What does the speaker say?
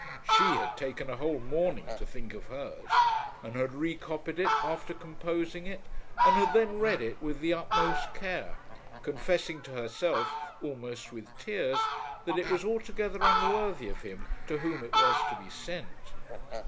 She had taken a whole morning to think of hers, and had re copied it after composing it, and had then read it with the utmost care, confessing to herself, almost with tears, that it was altogether unworthy of him to whom it was to be sent.